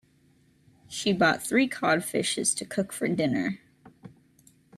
She bought three cod fishes to cook for dinner.